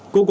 cô cô cô